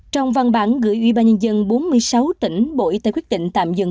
trong văn bản gửi ubnd bốn mươi sáu tỉnh bộ y tế quyết định tạm dừng